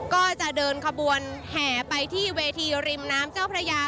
ก็จะเดินขบวนแห่ไปที่เวทีริมน้ำเจ้าพระยา